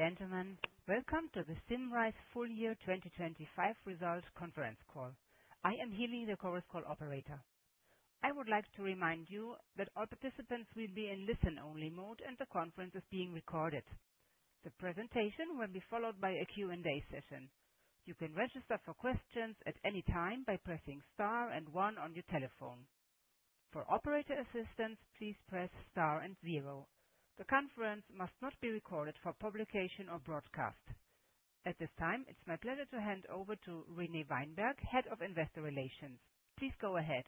Ladies and gentlemen, welcome to the Symrise Full Year 2025 Result Conference Call. I am hilly, the conference call operator. I would like to remind you that all participants will be in listen-only mode and the conference is being recorded. The presentation will be followed by a Q&A session. You can register for questions at any time by pressing star and one on your telephone. For operator assistance, please press star and zero. The conference must not be recorded for publication or broadcast. At this time, it's my pleasure to hand over to René Weinberg, Head of Investor Relations. Please go ahead.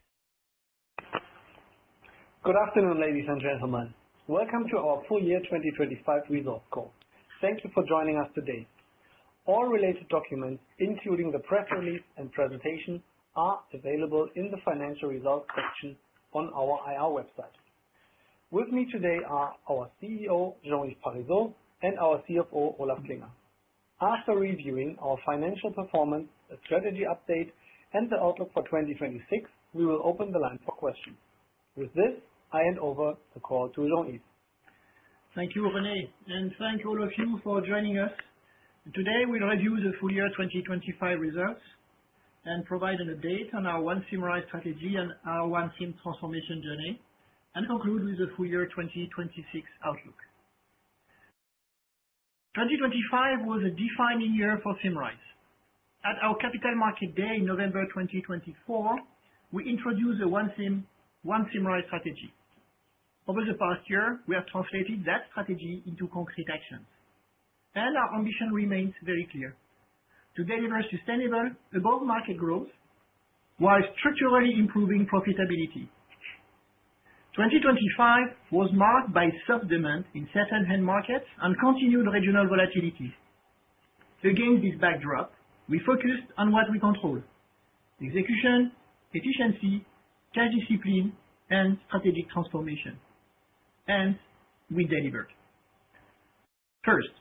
Good afternoon, ladies and gentlemen. Welcome to our full year 2025 results call. Thank you for joining us today. All related documents, including the press release and presentation, are available in the financial results section on our IR website. With me today are our CEO, Jean-Yves Parisot; and our CFO, Olaf Klinger. After reviewing our financial performance, a strategy update, and the outlook for 2026, we will open the line for questions. With this, I hand over the call to Jean-Yves. Thank you, René, and thank all of you for joining us. Today we review the full year 2025 results and provide an update on our ONE Symrise Strategy and our ONE SYM Transformation journey, and conclude with the full year 2026 outlook. 2025 was a defining year for Symrise. At our Capital Market day in November 2024, we introduced the ONE Symrise Strategy. Over the past year, we have translated that strategy into concrete actions, and our ambition remains very clear, to deliver sustainable above market growth while structurally improving profitability. 2025 was marked by soft demand in certain end markets and continued regional volatility. Against this backdrop, we focused on what we control, execution, efficiency, cash discipline, and strategic transformation. We delivered. First,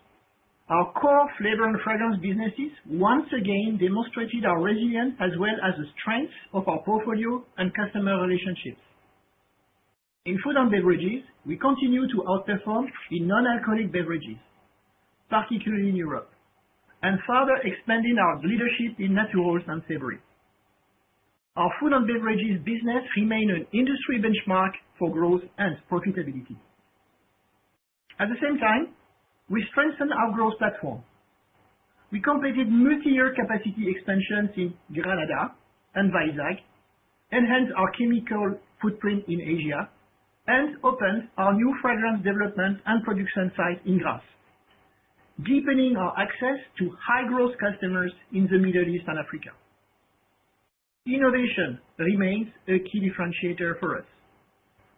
our core flavor and fragrance businesses once again demonstrated our resilience as well as the strength of our portfolio and customer relationships. In food and beverages, we continue to outperform in non-alcoholic beverages, particularly in Europe, and further expanding our leadership in Naturals and Savory. Our food and beverages business remain an industry benchmark for growth and profitability. At the same time, we strengthen our growth platform. We completed multi-year capacity expansions in Granada and Vizag, enhance our chemical footprint in Asia, and opened our new fragrance development and production site in Grasse, deepening our access to high-growth customers in the Middle East and Africa. Innovation remains a key differentiator for us.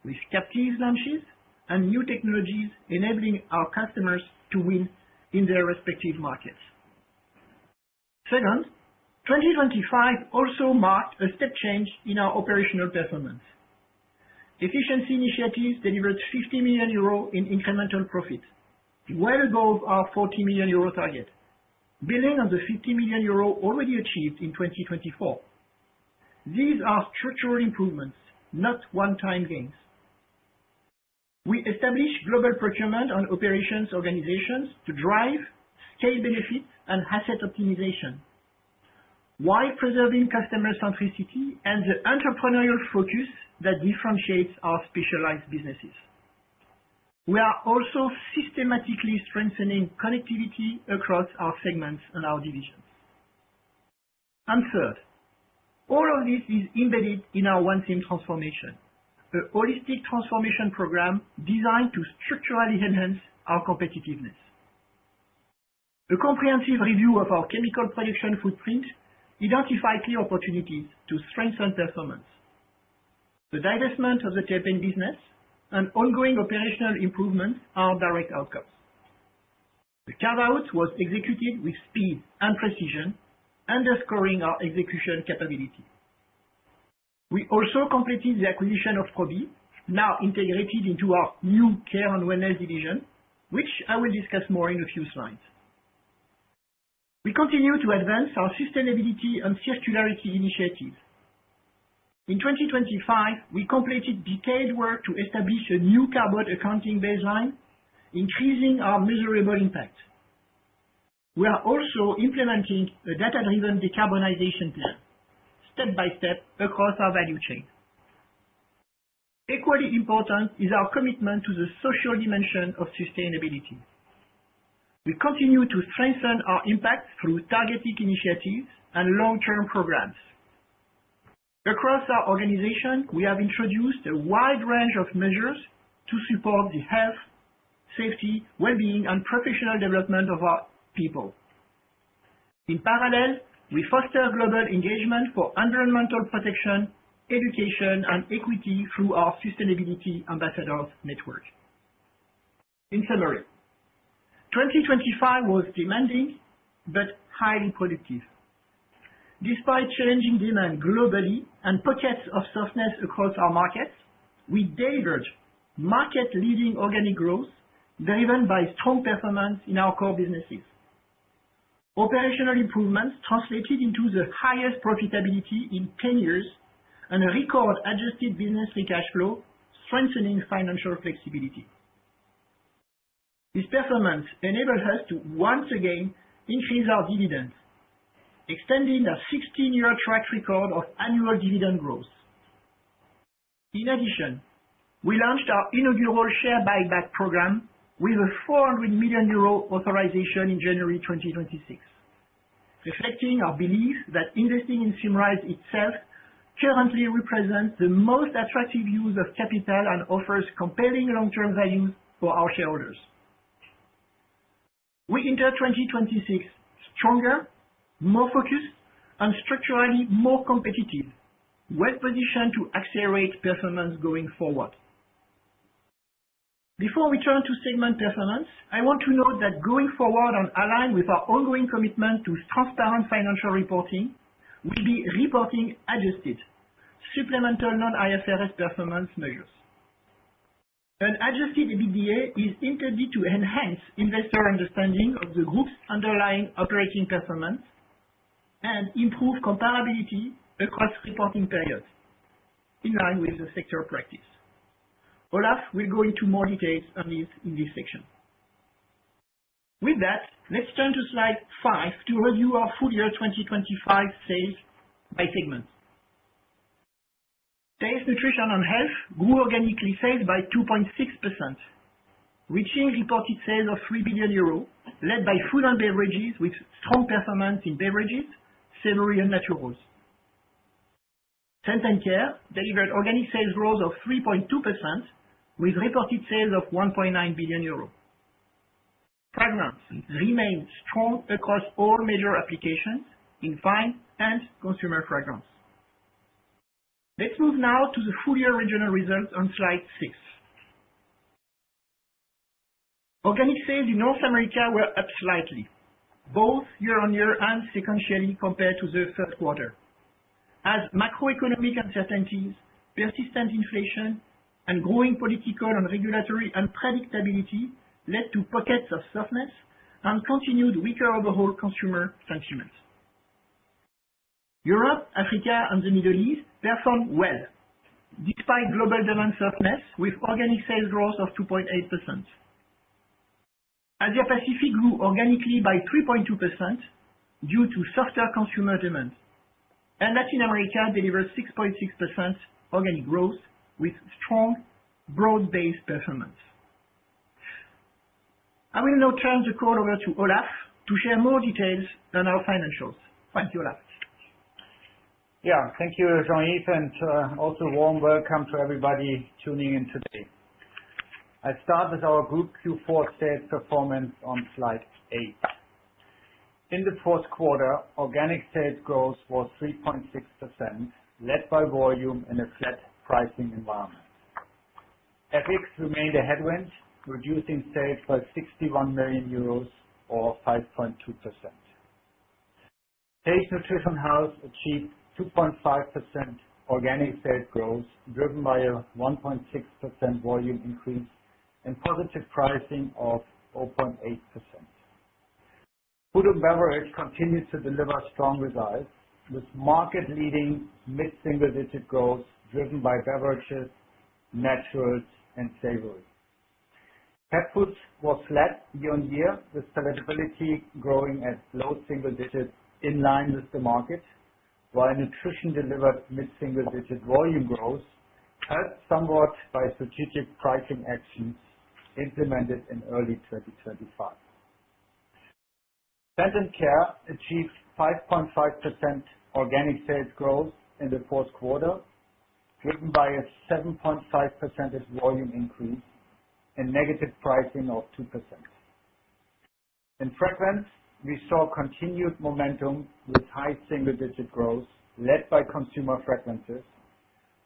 With captives launches and new technologies enabling our customers to win in their respective markets. Second, 2025 also marked a step change in our operational performance. Efficiency initiatives delivered 50 million euros in incremental profit, well above our 40 million euro target, building on the 50 million euros already achieved in 2024. These are structural improvements, not one-time gains. We established global procurement on operations organizations to drive scale benefits and asset optimization, while preserving customer centricity and the entrepreneurial focus that differentiates our specialized businesses. We are also systematically strengthening connectivity across our segments and our divisions. Third, all of this is embedded in our ONE SYM Transformation, a holistic transformation program designed to structurally enhance our competitiveness. The comprehensive review of our chemical production footprint identified key opportunities to strengthen performance. The divestment of the Terpene business and ongoing operational improvements are direct outcomes. The carve-out was executed with speed and precision, underscoring our execution capability. We also completed the acquisition of Probi, now integrated into our new Care & Wellness division, which I will discuss more in a few slides. We continue to advance our sustainability and circularity initiatives. In 2025, we completed detailed work to establish a new carbon accounting baseline, increasing our measurable impact. We are also implementing a data-driven decarbonization plan step by step across our value chain. Equally important is our commitment to the social dimension of sustainability. We continue to strengthen our impact through targeted initiatives and long-term programs. Across our organization, we have introduced a wide range of measures to support the health, safety, well-being, and professional development of our people. In parallel, we foster global engagement for environmental protection, education, and equity through our sustainability ambassadors network. In summary, 2025 was demanding but highly productive. Despite challenging demand globally and pockets of softness across our markets, we delivered market-leading organic growth, driven by strong performance in our core businesses. Operational improvements translated into the highest profitability in 10 years and a record adjusted business free cash flow, strengthening financial flexibility. This performance enabled us to once again increase our dividend, extending a 16-year track record of annual dividend growth. In addition, we launched our inaugural share buyback program with a 400 million euro authorization in January 2026, reflecting our belief that investing in Symrise itself currently represents the most attractive use of capital and offers compelling long-term value for our shareholders. We enter 2026 stronger, more focused, and structurally more competitive, well-positioned to accelerate performance going forward. Before we turn to segment performance, I want to note that going forward and aligned with our ongoing commitment to transparent financial reporting, we'll be reporting adjusted supplemental non-IFRS performance measures. An Adjusted EBITDA is intended to enhance investor understanding of the group's underlying operating performance and improve comparability across reporting periods in line with the sector practice. Olaf will go into more details on this in this section. Let's turn to slide five to review our full year 2025 sales by segment. Taste, Nutrition & Health grew organically sales by 2.6%, reaching reported sales of 3 billion euros, led by food and beverages with strong performance in beverages, Savory, and Naturals. Health and care delivered organic sales growth of 3.2% with reported sales of 1.9 billion euros. Fragrance remained strong across all major applications in Fine and Consumer Fragrances. Let's move now to the full year regional results on slide six. Organic sales in North America were up slightly, both year-on-year and sequentially compared to the third quarter, as macroeconomic uncertainties, persistent inflation, and growing political and regulatory unpredictability led to pockets of softness and continued weaker overall consumer sentiment. Europe, Africa, and the Middle East performed well despite global demand softness with organic sales growth of 2.8%. Asia Pacific grew organically by 3.2% due to softer consumer demand. Latin America delivered 6.6% organic growth with strong broad-based performance. I will now turn the call over to Olaf to share more details on our financials. Thank you, Olaf. Yeah. Thank you, Jean-Yves, and also warm welcome to everybody tuning in today. I start with our group Q4 sales performance on slide eight. In the fourth quarter, organic sales growth was 3.6%, led by volume in a flat pricing environment. FX remained a headwind, reducing sales by 61 million euros or 5.2%. Taste, Nutrition & Health achieved 2.5% organic sales growth, driven by a 1.6% volume increase and positive pricing of 0.8%. Food and beverage continued to deliver strong results, with market-leading mid-single-digit growth driven by beverages, Naturals, and Savory. Pet food was flat year-on-year, with Pet Palatability growing at low single digits in line with the market. While nutrition delivered mid-single-digit volume growth, helped somewhat by strategic pricing actions implemented in early 2025. Health and care achieved 5.5% organic sales growth in the fourth quarter, driven by a 7.5% volume increase and negative pricing of 2%. In fragrance, we saw continued momentum with high single-digit growth led by Consumer Fragrances,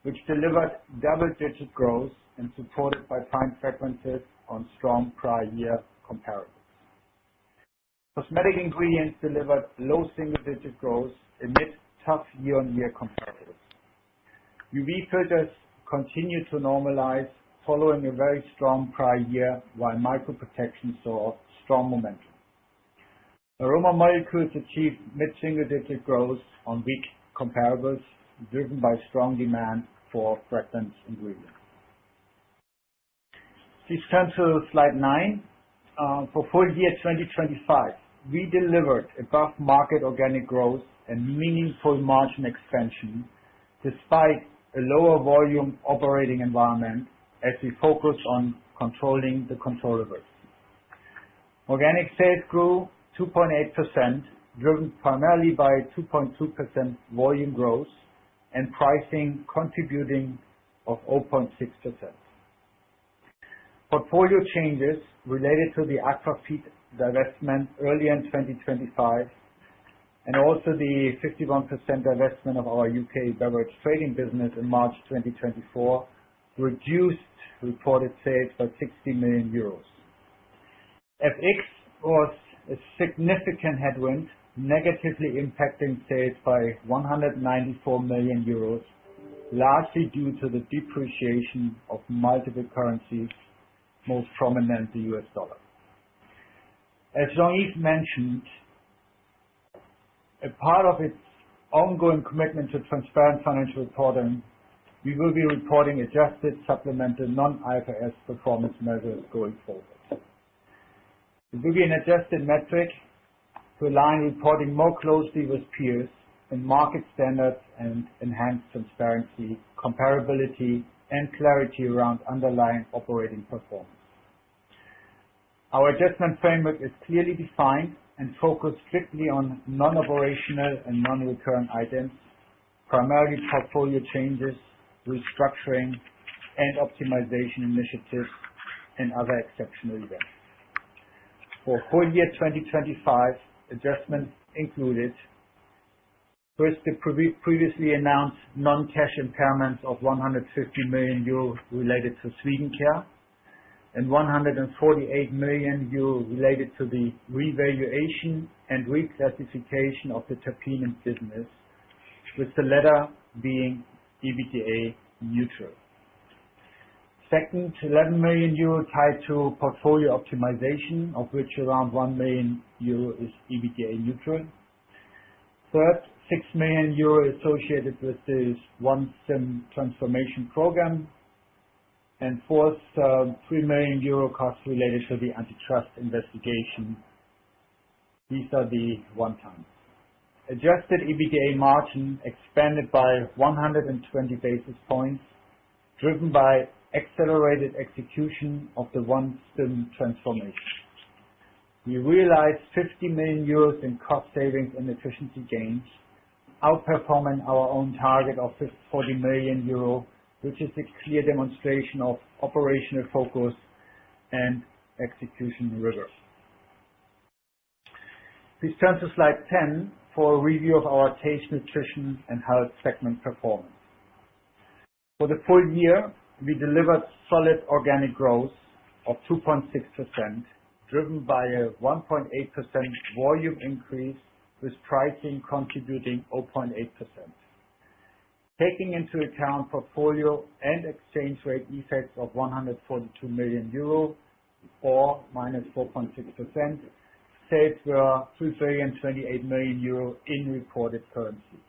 which delivered double-digit growth and supported by Fine Fragrances on strong prior year comparables. Cosmetic ingredients delivered low single-digit growth amid tough year-on-year comparatives. UV filters continued to normalize following a very strong prior year, while Micro Protection saw strong momentum. Aroma molecules achieved mid-single digit growth on weak comparables driven by strong demand for fragrance ingredients. Please turn to slide nine. For full year 2025, we delivered above market organic growth and meaningful margin expansion despite a lower volume operating environment as we focus on controlling the controllables. Organic sales grew 2.8%, driven primarily by 2.2% volume growth and pricing contributing of 0.6%. Portfolio changes related to the Aqua Feed divestment early in 2025 and also the 51% divestment of our U.K. beverage trading business in March 2024 reduced reported sales by 60 million euros. FX was a significant headwind, negatively impacting sales by 194 million euros, largely due to the depreciation of multiple currencies. Most prominent the U.S. dollar. As Jean-Yves mentioned, a part of its ongoing commitment to transparent financial reporting, we will be reporting adjusted supplemented non-IFRS performance measures going forward. It will be an adjusted metric to align reporting more closely with peers and market standards and enhance transparency, comparability, and clarity around underlying operating performance. Our adjustment framework is clearly defined and focused strictly on non-operational and non-recurring items, primarily portfolio changes, restructuring, and optimization initiatives and other exceptional events. For full year 2025, adjustments included, first, the previously announced non-cash impairment of 150 million euro related to Swedencare and 148 million euro related to the revaluation and reclassification of the Terpenes business, with the latter being EBITDA neutral. Second, 11 million euro tied to portfolio optimization, of which around 1 million euro is EBITDA neutral. Third, 6 million euro associated with the ONE SYM Transformation program. Fourth, 3 million euro costs related to the antitrust investigation. These are the one-times. Adjusted EBITDA margin expanded by 120 basis points, driven by accelerated execution of the ONE SYM Transformation. We realized 50 million euros in cost savings and efficiency gains, outperforming our own target of 40 million euros, which is a clear demonstration of operational focus and execution reserve. Please turn to slide 10 for a review of our Taste, Nutrition & Health segment performance. For the full year, we delivered solid organic growth of 2.6%, driven by a 1.8% volume increase, with pricing contributing 0.8%. Taking into account portfolio and exchange rate effects of 142 million euro or -4.6% saved, 2,028 million euro in reported currency.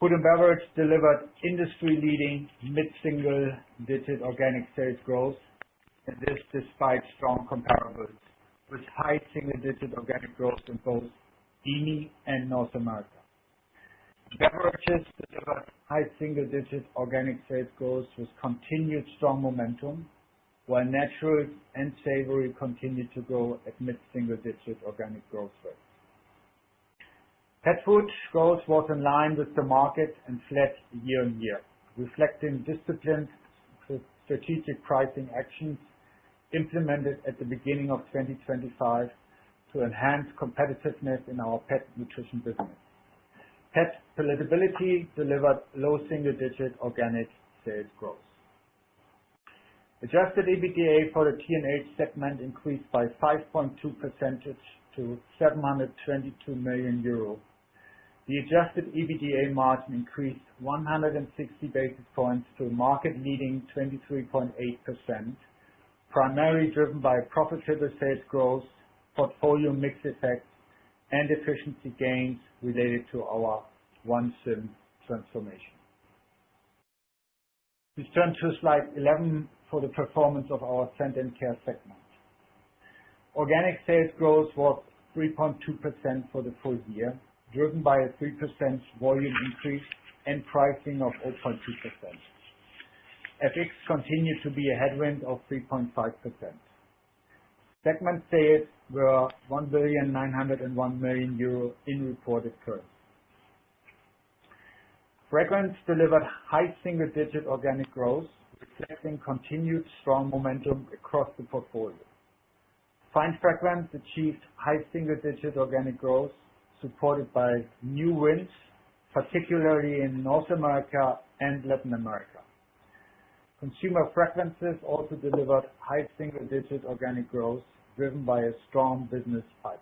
Food and beverage delivered industry-leading mid-single-digit organic sales growth, this despite strong comparables, with high single-digit organic growth in both EAME and North America. Beverages delivered high single-digit organic sales growth with continued strong momentum, while Naturals and Savory continued to grow at mid-single-digit organic growth rates. Pet food growth was in line with the market and flat year-on-year, reflecting disciplined strategic pricing actions implemented at the beginning of 2025 to enhance competitiveness in our pet nutrition business. Pet Palatability delivered low single-digit organic sales growth. Adjusted EBITDA for the TNH segment increased by 5.2% to 722 million euro. The Adjusted EBITDA margin increased 160 basis points to market leading 23.8%, primarily driven by profitable sales growth, portfolio mix effects, and efficiency gains related to our ONE SYM Transformation. Please turn to slide 11 for the performance of our Scent & Care segment. Organic sales growth was 3.2% for the full year, driven by a 3% volume increase and pricing of 0.2%. FX continued to be a headwind of 3.5%. Segment sales were 1.901 billion in reported currency. Fragrance delivered high single-digit organic growth, reflecting continued strong momentum across the portfolio. Fine Fragrances achieved high single-digit organic growth supported by new wins, particularly in North America and Latin America. Consumer Fragrances also delivered high single-digit organic growth driven by a strong business pipeline.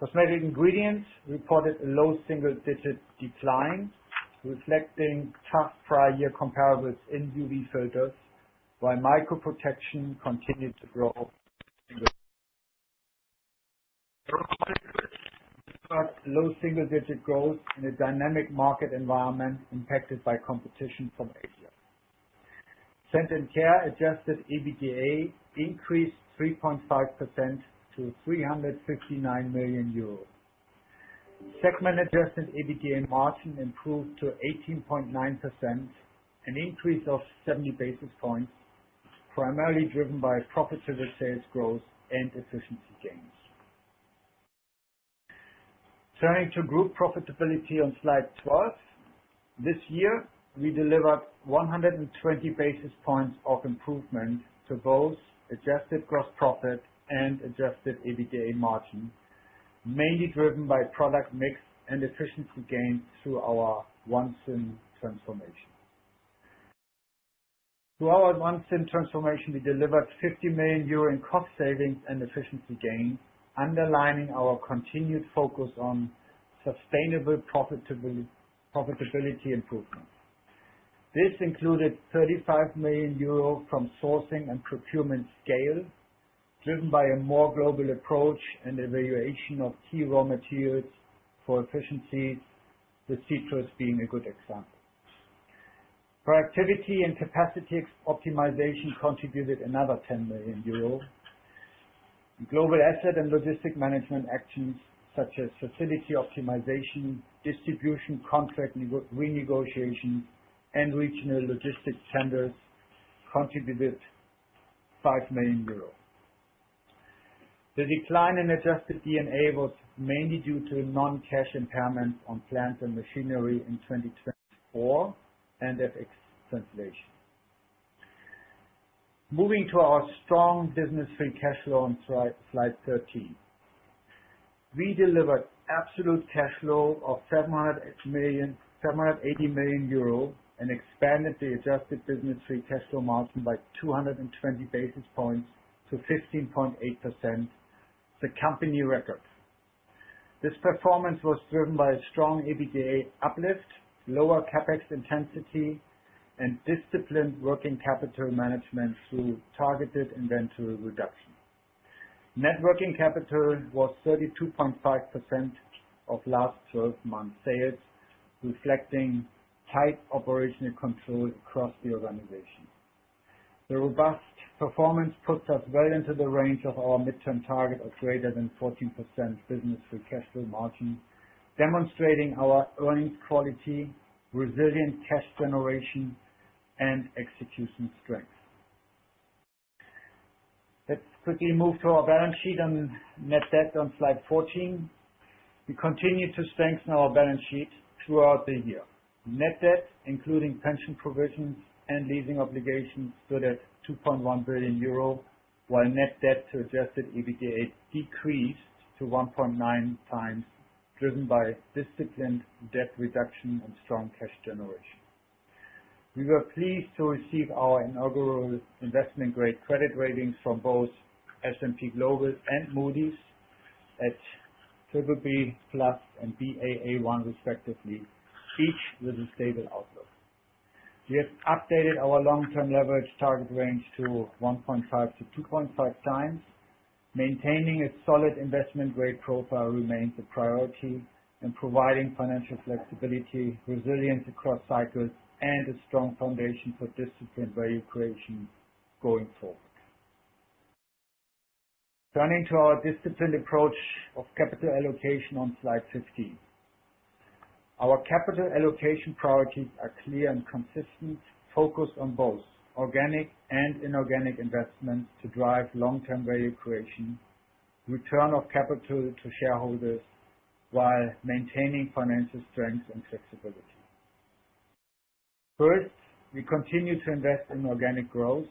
Cosmetic Ingredients reported a low single-digit decline, reflecting tough prior year comparables in UV filters, while Micro Protection continued to grow. Low single-digit growth in a dynamic market environment impacted by competition from Asia. Scent & Care Adjusted EBITDA increased 3.5% to 359 million euros. Segment Adjusted EBITDA margin improved to 18.9%, an increase of 70 basis points, primarily driven by profitable sales growth and efficiency gains. Turning to group profitability on slide 12. This year, we delivered 120 basis points of improvement to both adjusted gross profit and Adjusted EBITDA margin, mainly driven by product mix and efficiency gains through our ONE SYM Transformation. Through our ONE SYM Transformation, we delivered 50 million euro in cost savings and efficiency gain, underlining our continued focus on sustainable profitability improvement. This included 35 million euro from sourcing and procurement scale, driven by a more global approach and evaluation of key raw materials for efficiency, with citrus being a good example. Productivity and capacity optimization contributed another 10 million euros. Global asset and logistic management actions such as facility optimization, distribution, contract renegotiation, and regional logistics centers contributed 5 million euros. The decline in adjusted D&A was mainly due to a non-cash impairment on plant and machinery in 2024 and FX translation. Moving to our strong business free cash flow on slide 13. We delivered absolute cash flow of 780 million euro and expanded the adjusted business free cash flow margin by 220 basis points to 15.8%, the company record. This performance was driven by a strong EBITDA uplift, lower CapEx intensity, and disciplined working capital management through targeted inventory reduction. Net working capital was 32.5% of last 12 months sales, reflecting tight operational control across the organization. The robust performance puts us well into the range of our midterm target of greater than 14% business free cash flow margin, demonstrating our earnings quality, resilient cash generation, and execution strength. Let's quickly move to our balance sheet and net debt on slide 14. We continue to strengthen our balance sheet throughout the year. Net debt, including pension provisions and leasing obligations, stood at 2.1 billion euro, while net debt to Adjusted EBITDA decreased to 1.9x, driven by disciplined debt reduction and strong cash generation. We were pleased to receive our inaugural investment-grade credit ratings from both S&P Global and Moody's at BBB+ and Baa1 respectively, each with a stable outlook. We have updated our long-term leverage target range to 1.5x-2.5x. Maintaining a solid investment-grade profile remains a priority in providing financial flexibility, resilience across cycles, and a strong foundation for disciplined value creation going forward. Turning to our disciplined approach of capital allocation on slide 15. Our capital allocation priorities are clear and consistent, focused on both organic and inorganic investments to drive long-term value creation, return of capital to shareholders while maintaining financial strength and flexibility. First, we continue to invest in organic growth,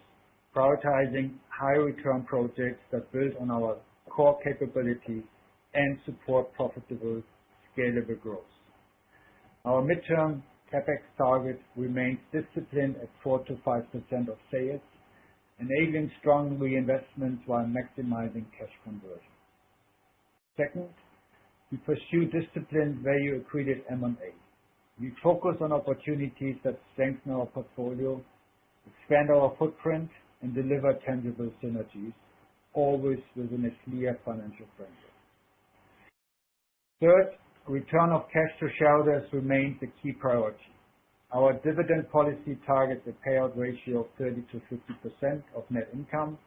prioritizing high return projects that build on our core capabilities and support profitable scalable growth. Our midterm CapEx target remains disciplined at 4%-5% of sales, enabling strong reinvestments while maximizing cash conversion. Second, we pursue disciplined value-accretive M&A. We focus on opportunities that strengthen our portfolio, expand our footprint, and deliver tangible synergies, always within a clear financial framework. Third, return of cash to shareholders remains the key priority. Our dividend policy targets a payout ratio of 30% to 50% of net income,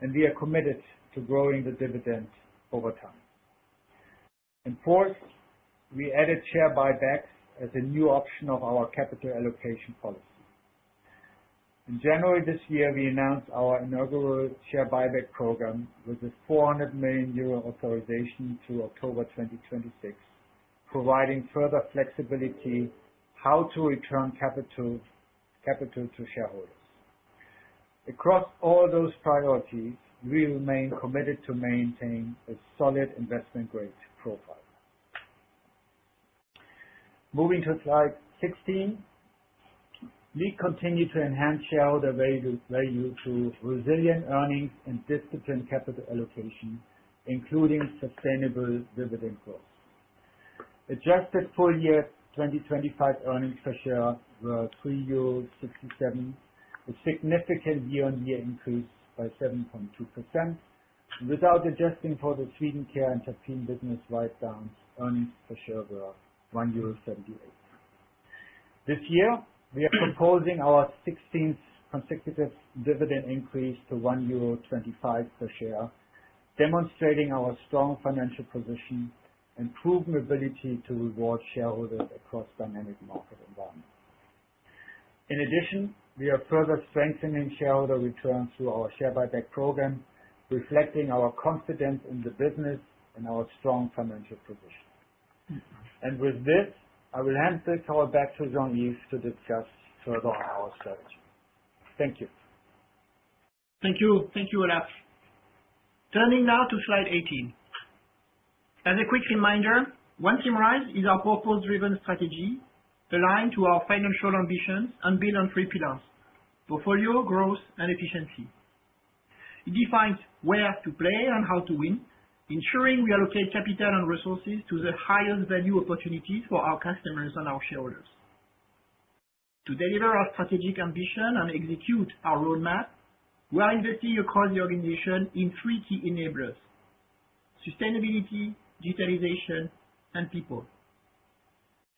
and we are committed to growing the dividend over time. Fourth, we added share buybacks as a new option of our capital allocation policy. In January this year, we announced our inaugural share buyback program with a 400 million euro authorization through October 2026, providing further flexibility how to return capital to shareholders. Across all those priorities, we remain committed to maintaining a solid investment grade profile. Moving to slide 16. We continue to enhance shareholder value through resilient earnings and disciplined capital allocation, including sustainable dividend growth. Adjusted full year 2025 earnings per share were 3.67 euros, a significant year-on-year increase by 7.2%. Without adjusting for the Swedencare and Terpene business write-downs, earnings per share were 1.78. This year, we are proposing our 16th consecutive dividend increase to 1.25 euro per share, demonstrating our strong financial position and proven ability to reward shareholders across dynamic market environments. In addition, we are further strengthening shareholder returns through our share buyback program, reflecting our confidence in the business and our strong financial position. With this, I will hand this call back to Jean-Yves to discuss further our strategy. Thank you. Thank you. Thank you, Olaf. Turning now to slide 18. As a quick reminder, ONE Symrise Strategy is our purpose-driven strategy aligned to our financial ambitions and built on three pillars: portfolio, growth, and efficiency. It defines where to play and how to win, ensuring we allocate capital and resources to the highest value opportunities for our customers and our shareholders. To deliver our strategic ambition and execute our roadmap, we are investing across the organization in three key enablers: sustainability, digitalization, and people.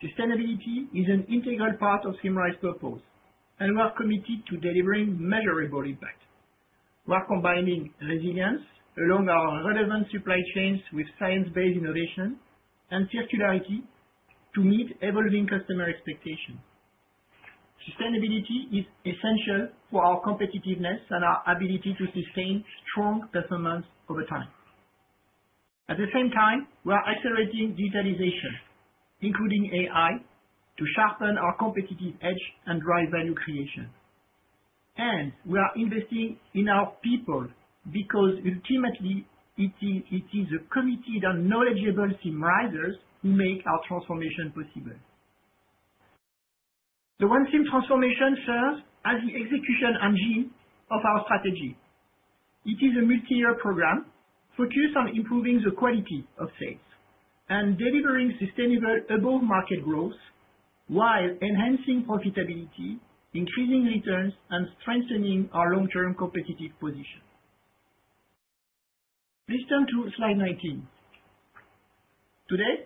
Sustainability is an integral part of Symrise purpose, and we are committed to delivering measurable impact. We are combining resilience along our relevant supply chains with science-based innovation and circularity to meet evolving customer expectations. Sustainability is essential for our competitiveness and our ability to sustain strong performance over time. At the same time, we are accelerating digitalization, including AI, to sharpen our competitive edge and drive value creation. We are investing in our people because ultimately it is a committed and knowledgeable Symrisers who make our transformation possible. The ONE SYM Transformation serves as the execution engine of our strategy. It is a multi-year program focused on improving the quality of Sales and delivering sustainable above-market growth while enhancing profitability, increasing returns, and strengthening our long-term competitive position. Please turn to slide 19. Today,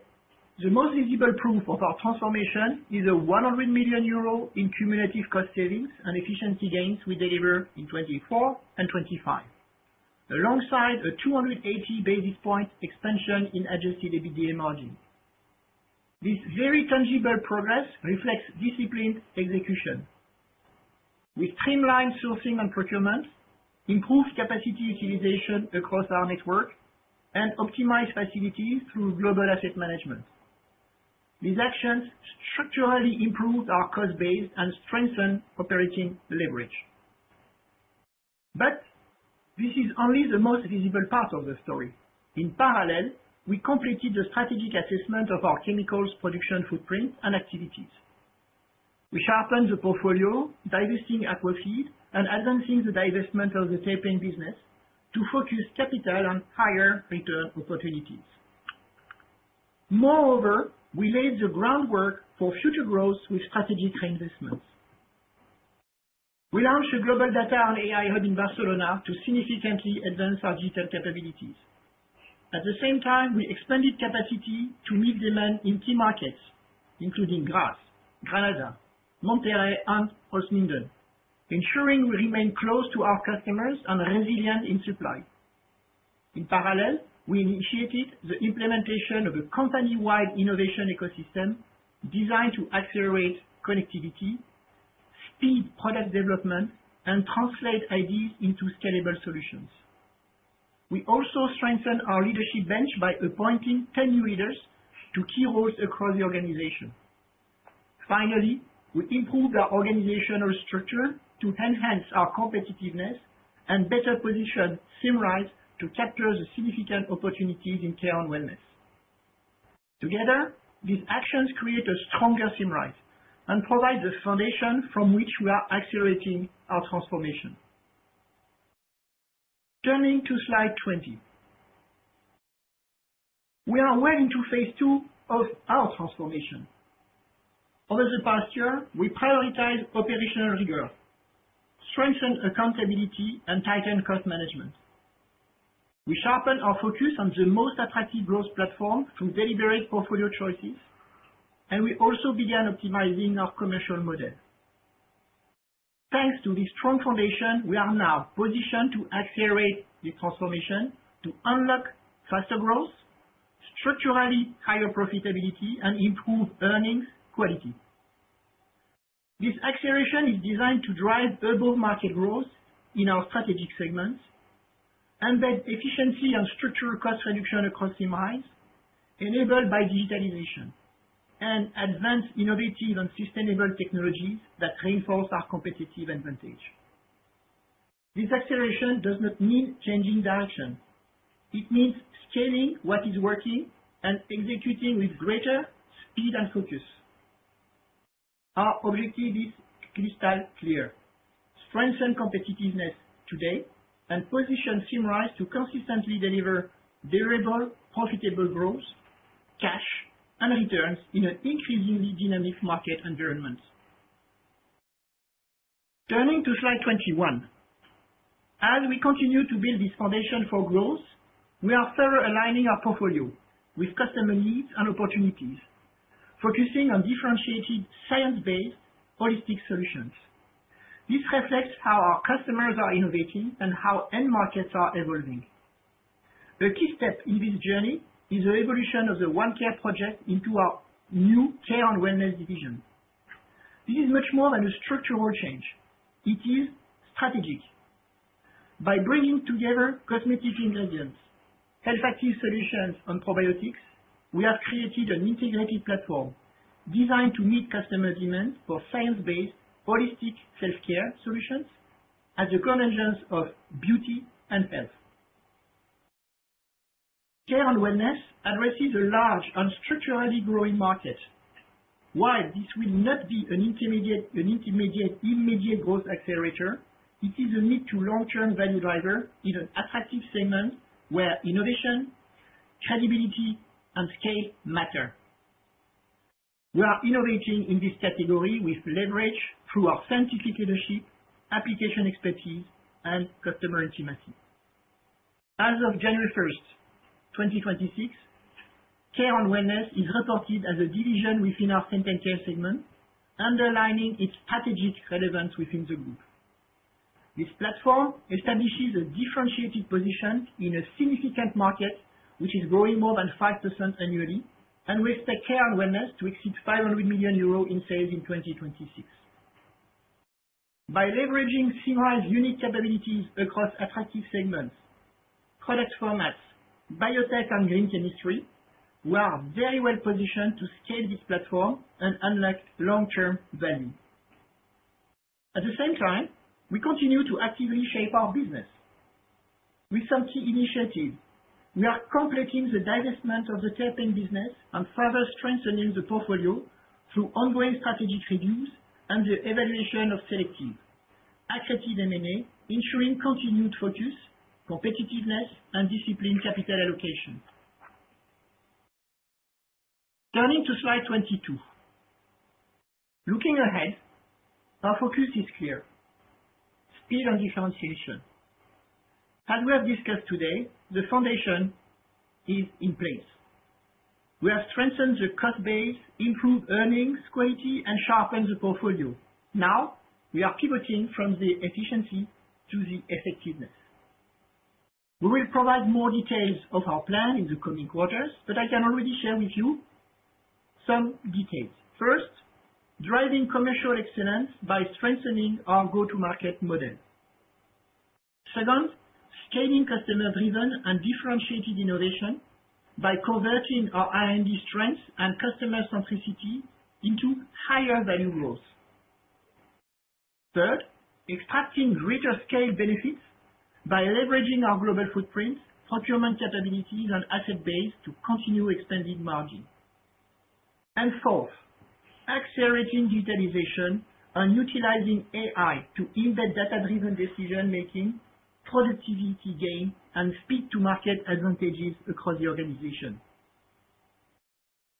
the most visible proof of our transformation is a 100 million euro in cumulative cost savings and efficiency gains we deliver in 2024 and 2025, alongside a 280 basis point expansion in Adjusted EBITDA margin. This very tangible progress reflects disciplined execution. We streamline sourcing and procurement, improve capacity utilization across our network, and optimize facilities through global asset management. This is only the most visible part of the story. In parallel, we completed the strategic assessment of our chemicals production footprint and activities. We sharpened the portfolio, divesting Aqua Feed and advancing the divestment of the Terpene business to focus capital on higher return opportunities. We laid the groundwork for future growth with strategic investments. We launched a global data and AI hub in Barcelona to significantly advance our digital capabilities. At the same time, we expanded capacity to meet demand in key markets, including Grasse, Granada, Monterrey, and Holzminden, ensuring we remain close to our customers and resilient in supply. In parallel, we initiated the implementation of a company-wide innovation ecosystem designed to accelerate connectivity, speed product development, and translate ideas into scalable solutions. We also strengthened our leadership bench by appointing 10 new leaders to key roles across the organization. Finally, we improved our organizational structure to enhance our competitiveness and better position Symrise to capture the significant opportunities in Care & Wellness. Together, these actions create a stronger Symrise and provide the foundation from which we are accelerating our transformation. Turning to slide 20. We are well into phase II of our transformation. Over the past year, we prioritized operational rigor, strengthened accountability, and tightened cost management. We sharpened our focus on the most attractive growth platform through deliberate portfolio choices, and we also began optimizing our commercial model. Thanks to this strong foundation, we are now positioned to accelerate the transformation to unlock faster growth, structurally higher profitability, and improve earnings quality. This acceleration is designed to drive above-market growth in our strategic segments, embed efficiency and structural cost reduction across Symrise enabled by digitalization and advance innovative and sustainable technologies that reinforce our competitive advantage. This acceleration does not mean changing direction. It means scaling what is working and executing with greater speed and focus. Our objective is crystal clear: strengthen competitiveness today and position Symrise to consistently deliver durable, profitable growth, cash, and returns in an increasingly dynamic market environment. Turning to slide 21. As we continue to build this foundation for growth, we are further aligning our portfolio with customer needs and opportunities, focusing on differentiated, science-based holistic solutions. This reflects how our customers are innovating and how end markets are evolving. The key step in this journey is the evolution of the ONE CARE project into our new Care & Wellness division. This is much more than a structural change. It is strategic. By bringing together cosmetic ingredients, health active solutions, and probiotics, we have created an integrated platform designed to meet customer demand for science-based holistic self-care solutions at the convergence of beauty and health. Care & Wellness addresses a large and structurally growing market. While this will not be an immediate growth accelerator, it is a mid to long-term value driver in an attractive segment where innovation, credibility, and scale matter. We are innovating in this category with leverage through our scientific leadership, application expertise, and customer intimacy. As of January 1st, 2026, Care & Wellness is reported as a division within our health and care segment, underlining its strategic relevance within the group. This platform establishes a differentiated position in a significant market, which is growing more than 5% annually, and we expect Care & Wellness to exceed 500 million euros in sales in 2026. By leveraging Symrise's unique capabilities across attractive segments, product formats, biotech and green chemistry, we are very well positioned to scale this platform and unlock long-term value. At the same time, we continue to actively shape our business. With some key initiatives, we are completing the divestment of the Terpenes business and further strengthening the portfolio through ongoing strategic reviews and the evaluation of selective, accretive M&A, ensuring continued focus, competitiveness, and disciplined capital allocation. Turning to slide 22. Looking ahead, our focus is clear: speed and differentiation. As we have discussed today, the foundation is in place. We have strengthened the cost base, improved earnings quality, and sharpened the portfolio. We are pivoting from the efficiency to the effectiveness. We will provide more details of our plan in the coming quarters. I can already share with you some details. First, driving commercial excellence by strengthening our go-to-market model. Second, scaling customer-driven and differentiated innovation by converting our R&D strengths and customer centricity into higher value growth. Third, extracting greater scale benefits by leveraging our global footprint, procurement capabilities, and asset base to continue expanding margin. Fourth, accelerating digitalization and utilizing AI to embed data-driven decision-making, productivity gain, and speed to market advantages across the organization.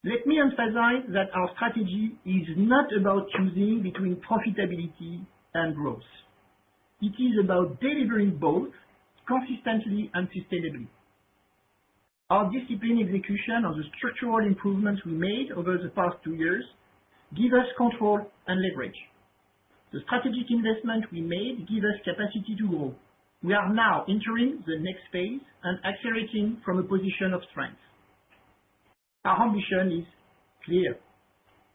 Let me emphasize that our strategy is not about choosing between profitability and growth. It is about delivering both consistently and sustainably. Our disciplined execution of the structural improvements we made over the past two years give us control and leverage. The strategic investment we made give us capacity to grow. We are now entering the next phase and accelerating from a position of strength. Our ambition is clear: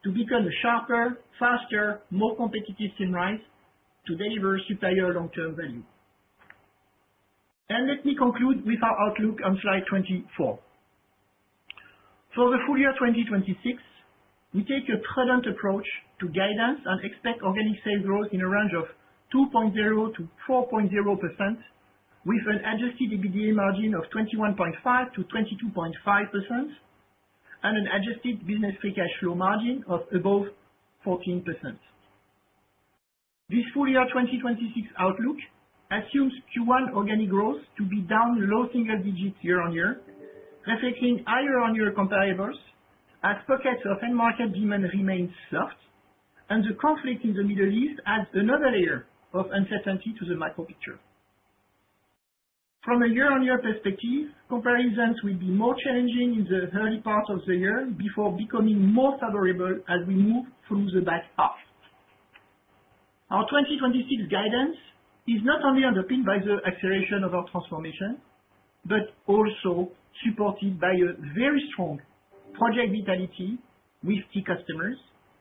to become a sharper, faster, more competitive Symrise to deliver superior long-term value. Let me conclude with our outlook on slide 24. For the full year 2026, we take a prudent approach to guidance and expect organic sales growth in a range of 2.0%-4.0% with an Adjusted EBITDA margin of 21.5%-22.5% and an adjusted business free cash flow margin of above 14%. This full year 2026 outlook assumes Q1 organic growth to be down low single digits year-on-year, reflecting higher on year comparables as pockets of end market demand remain soft and the conflict in the Middle East adds another layer of uncertainty to the macro picture. From a year-over-year perspective, comparisons will be more challenging in the early part of the year before becoming more favorable as we move through the back half. Our 2026 guidance is not only underpinned by the acceleration of our transformation, but also supported by a very strong project vitality with key customers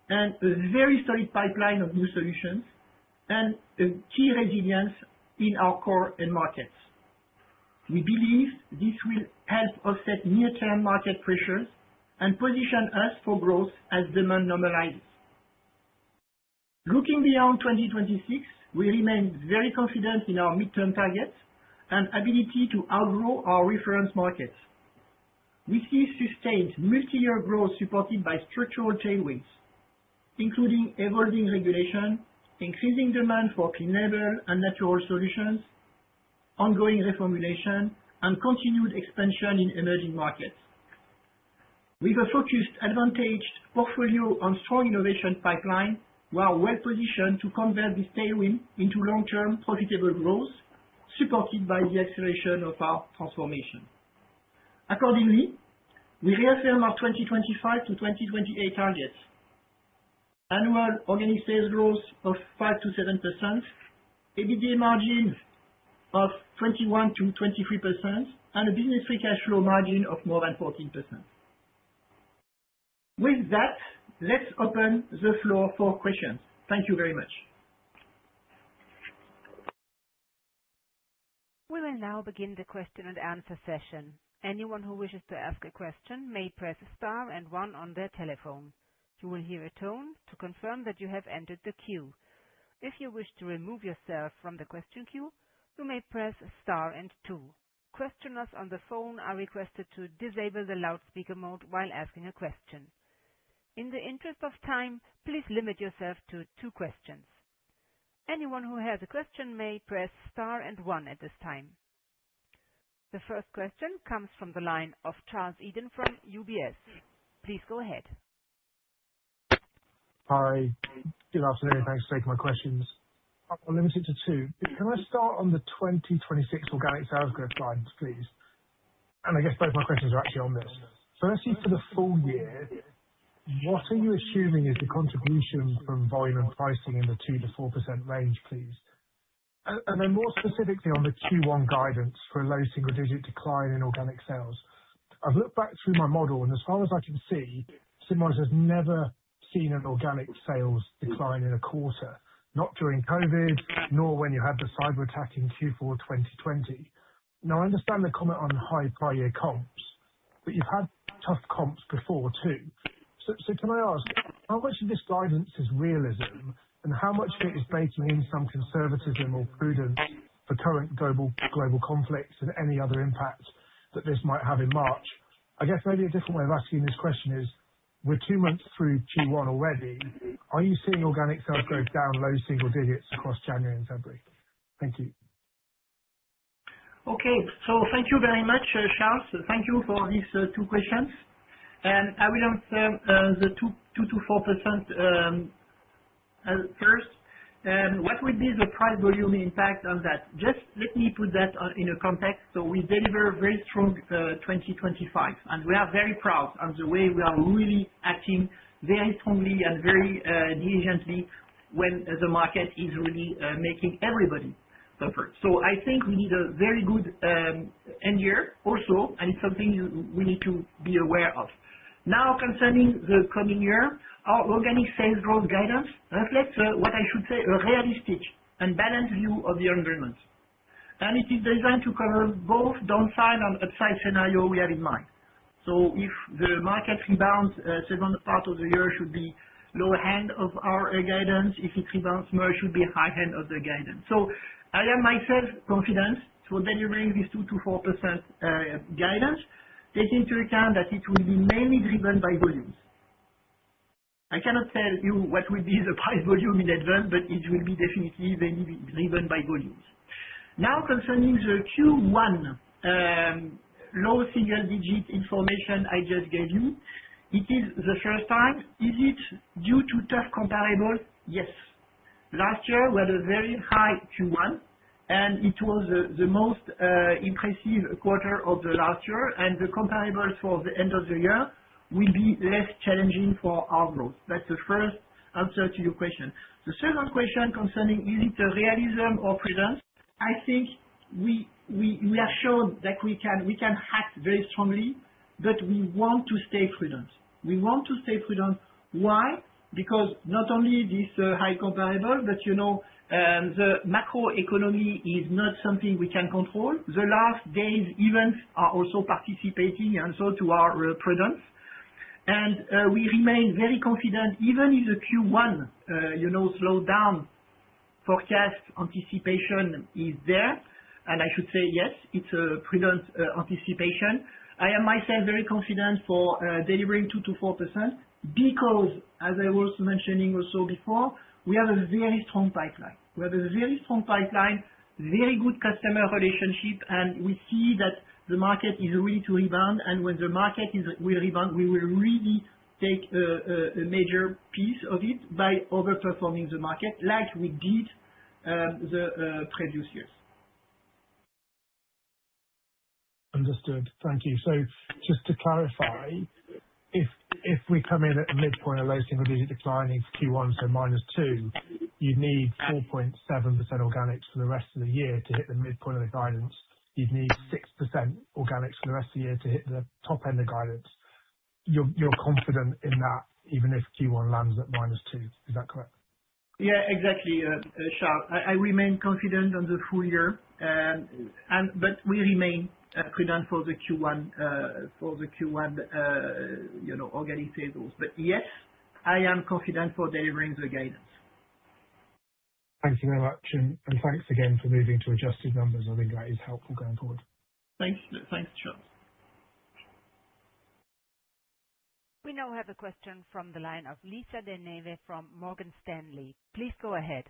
and a very solid pipeline of new solutions and a key resilience in our core end markets. We believe this will help offset near-term market pressures and position us for growth as demand normalizes. Looking beyond 2026, we remain very confident in our midterm targets and ability to outgrow our reference markets. We see sustained multi-year growth supported by structural tailwinds, including evolving regulation, increasing demand for clean label and natural solutions, ongoing reformulation, and continued expansion in emerging markets. With a focused advantage portfolio and strong innovation pipeline, we are well positioned to convert this tailwind into long-term profitable growth, supported by the acceleration of our transformation. Accordingly, we reaffirm our 2025-2028 targets. Annual organic Sales growth of 5%-7%, EBITDA margin of 21%-23%, and a business free cash flow margin of more than 14%. With that, let's open the floor for questions. Thank you very much. We will now begin the question and answer session. Anyone who wishes to ask a question may press star and one on their telephone. You will hear a tone to confirm that you have entered the queue. If you wish to remove yourself from the question queue, you may press star and two. Questioners on the phone are requested to disable the loudspeaker mode while asking a question. In the interest of time, please limit yourself to two questions. Anyone who has a question may press star and one at this time. The first question comes from the line of Charles Eden from UBS. Please go ahead. Hi. Good afternoon. Thanks for taking my questions. I'll limit it to two. Can I start on the 2026 organic sales growth line, please? I guess both my questions are actually on this. Firstly, for the full year, what are you assuming is the contribution from volume and pricing in the 2%-4% range, please? Then more specifically on the Q1 guidance for a low single digit decline in organic sales. I've looked back through my model and as far as I can see, Symrise has never seen an organic sales decline in a quarter, not during COVID, nor when you had the cyberattack in Q4 of 2020. I understand the comment on high prior year comps. You've had tough comps before, too. Can I ask, how much of this guidance is realism and how much of it is baking in some conservatism or prudence for current global conflicts and any other impact that this might have in March? I guess maybe a different way of asking this question is, we're two months through Q1 already, are you seeing organic sales growth down low single digits across January and February? Thank you. Okay. Thank you very much, Charles. Thank you for these two questions. I will answer the 2%-4% first. What would be the price volume impact on that? Just let me put that on in a context. We deliver a very strong 2025, and we are very proud of the way we are really acting very strongly and very diligently when the market is really making everybody suffer. I think we need a very good end year also, and it's something we need to be aware of. Now, concerning the coming year, our organic Sales growth guidance reflects what I should say, a realistic and balanced view of the environment. It is designed to cover both downside and upside scenario we have in mind. If the market rebounds, second part of the year should be lower hand of our guidance. If it rebounds more, it should be high hand of the guidance. I have myself confidence to delivering this 2%-4% guidance, take into account that it will be mainly driven by volumes. I cannot tell you what will be the price volume in advance, but it will be definitely mainly driven by volumes. Concerning the Q1, low single digit information I just gave you, it is the first time. Is it due to tough comparable? Last year, we had a very high Q1, and it was the most impressive quarter of the last year, and the comparables for the end of the year will be less challenging for our growth. That's the first answer to your question. The second question concerning is it a realism or prudence? I think we have shown that we can act very strongly, but we want to stay prudent. We want to stay prudent. Why? Because not only this high comparable, but, you know, the macro economy is not something we can control. The last days' events are also participating also to our prudence. We remain very confident even if the Q1, you know, slow down forecast anticipation is there. I should say, yes, it's a prudent anticipation. I am myself very confident for delivering 2%-4% because as I was mentioning also before, we have a very strong pipeline. We have a very strong pipeline, very good customer relationship, and we see that the market is ready to rebound. When the market will rebound, we will really take a major piece of it by over-performing the market like we did the previous years. Understood. Thank you. Just to clarify, if we come in at the midpoint of those single digit declining Q1, so -2, you'd need 4.7% organic for the rest of the year to hit the midpoint of the guidance. You'd need 6% organic for the rest of the year to hit the top end of guidance. You're confident in that even if Q1 lands at -2. Is that correct? Yeah, exactly, Charles. I remain confident on the full year. We remain prudent for the Q1, you know, organic sales. Yes, I am confident for delivering the guidance. Thank you very much. Thanks again for moving to adjusted numbers. I think that is helpful going forward. Thank you. Thanks, Charles. We now have a question from the line of Lisa De Neve from Morgan Stanley. Please go ahead.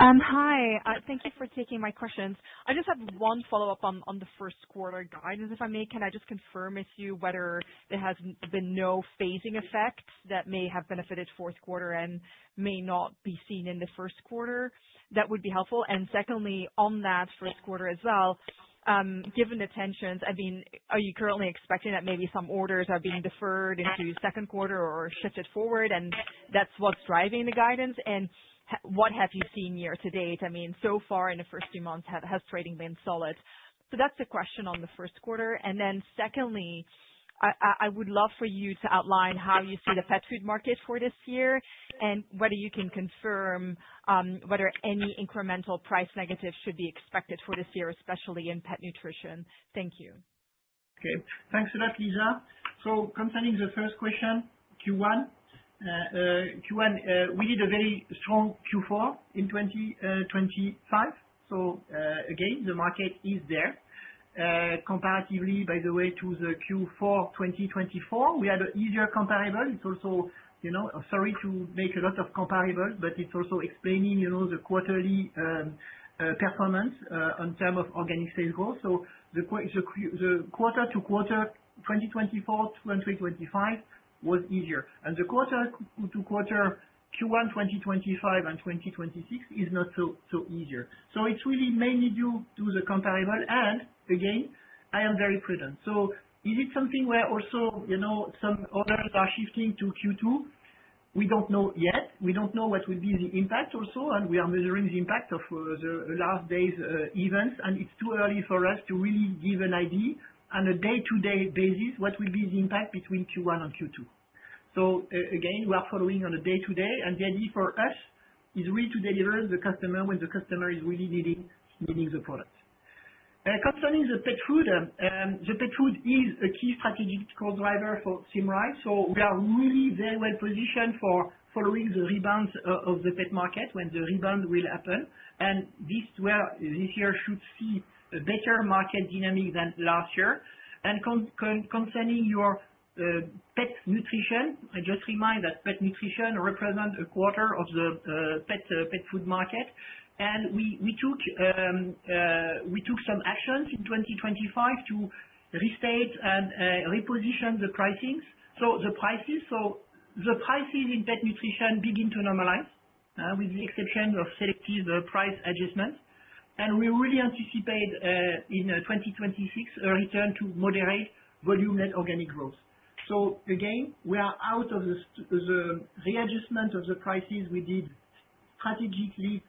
Hi. Thank you for taking my questions. I just have one follow-up on the first quarter guidance, if I may. Can I just confirm with you whether there has been no phasing effects that may have benefited fourth quarter and may not be seen in the first quarter? That would be helpful. Secondly, on that first quarter as well, given the tensions, I mean, are you currently expecting that maybe some orders are being deferred into second quarter or shifted forward, and that's what's driving the guidance? What have you seen year to date? I mean, so far in the first few months, has trading been solid? That's the question on the first quarter. Then secondly, I would love for you to outline how you see the pet food market for this year and whether you can confirm whether any incremental price negatives should be expected for this year, especially in pet nutrition. Thank you. Okay. Thanks a lot, Lisa. Concerning the first question, Q1, we did a very strong Q4 in 2025. Again, the market is there. Comparatively, by the way, to the Q4 2024, we had an easier comparable. It's also, you know, Sorry to make a lot of comparables, but it's also explaining, you know, the quarterly performance on term of organic sales growth. The quarter-to-quarter 2024 to 2025 was easier. The quarter-to-quarter Q1 2025 and 2026 is not so easier. It's really mainly due to the comparable and again, I am very prudent. Is it something where also, you know, some orders are shifting to Q2? We don't know yet. We don't know what will be the impact also. We are measuring the impact of the last day's events. It's too early for us to really give an idea on a day-to-day basis what will be the impact between Q1 and Q2. Again, we are following on a day to day. The idea for us is really to deliver the customer when the customer is really needing the product. Concerning the pet food, the pet food is a key strategic core driver for Symrise. We are really very well positioned for following the rebounds of the pet market when the rebound will happen. This year should see a better market dynamic than last year. concerning your pet nutrition, I just remind that pet nutrition represents a quarter of the pet food market. we took some actions in 2025 to restate and reposition the pricings. The prices in pet nutrition begin to normalize with the exception of selective price adjustments. we really anticipate in 2026 a return to moderate volume and organic growth. Again, we are out of the readjustment of the prices we did strategically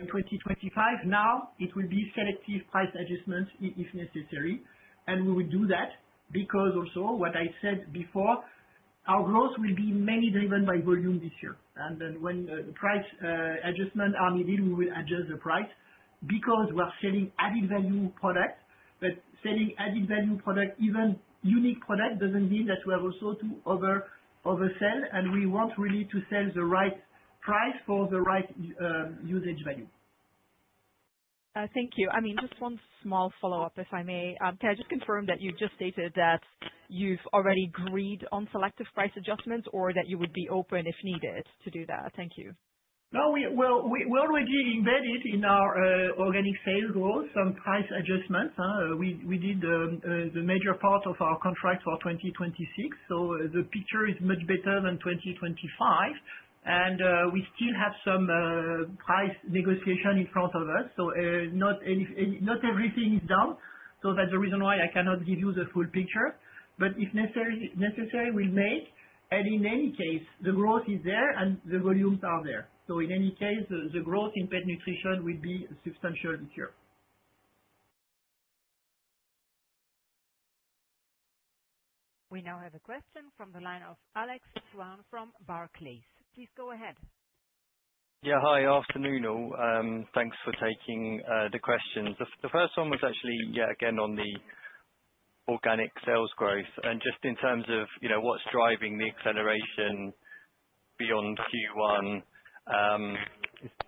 in 2025. Now it will be selective price adjustments if necessary, and we will do that because also what I said before, our growth will be mainly driven by volume this year. When the price adjustment are needed, we will adjust the price because we are selling added value products. Selling added value product, even unique product, doesn't mean that we have also to oversell, and we want really to sell the right price for the right usage value. Thank you. I mean, just one small follow-up, if I may. Can I just confirm that you just stated that you've already agreed on selective price adjustments or that you would be open if needed to do that? Thank you. No, we Well, we already embedded in our organic sales growth, some price adjustments. we did the major part of our contract for 2026, so the picture is much better than 2025. we still have some price negotiation in front of us. not everything is done. that's the reason why I cannot give you the full picture. if necessary, we make and in any case, the growth is there and the volumes are there. in any case, the growth in pet nutrition will be substantial this year. We now have a question from the line of Alex Sloane from Barclays. Please go ahead. Yeah. Hi. Afternoon all. Thanks for taking the questions. The first one was actually, yeah, again, on the organic sales growth. Just in terms of, you know, what's driving the acceleration beyond Q1,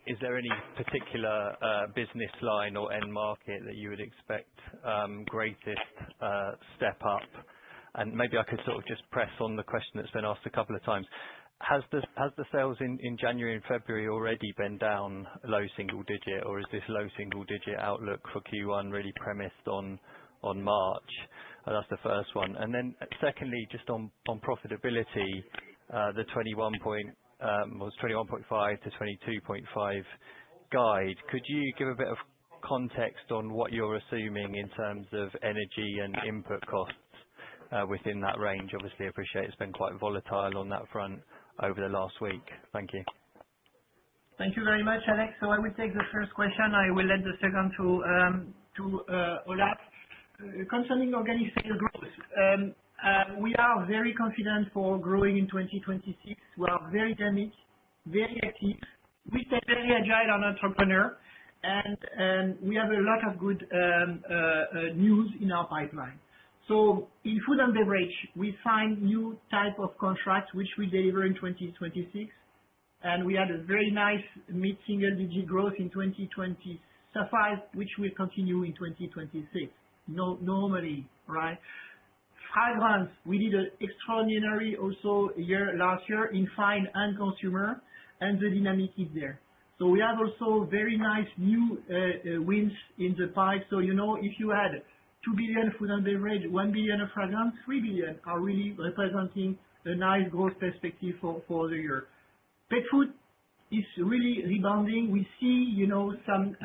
is there any particular business line or end market that you would expect greatest step up? Maybe I could sort of just press on the question that's been asked a couple of times. Has the sales in January and February already been down low single digit, or is this low single digit outlook for Q1 really premised on March? That's the first one. Then secondly, just on profitability, the 21 point was 21.5-22.5 guide. Could you give a bit of context on what you're assuming in terms of energy and input costs within that range? Obviously, appreciate it's been quite volatile on that front over the last week. Thank you. Thank you very much, Alex. I will take the first question. I will let the second to Olaf. Concerning organic Sales growth, we are very confident for growing in 2026. We are very dynamic, very active. We stay very agile and entrepreneur and we have a lot of good news in our pipeline. In food and beverage we find new type of contracts which we deliver in 2026, and we had a very nice mid-single-digit growth in 2025, which will continue in 2026. Normally, right? Fragrance, we did extraordinary also last year in Fine and Consumer and the dynamic is there. We have also very nice new wins in the pipe. You know, if you add 2 billion Food & Beverage, 1 billion in Fragrance, 3 billion are really representing a nice growth perspective for the year. Pet food is really rebounding. We see, you know, some